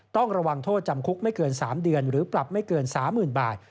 ต้องระวังโทษจำคุกไม่เกิน๓เดือนหรือปรับไม่เกิน๓๐๐๐บาท